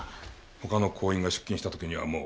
他の行員が出勤した時にはもう。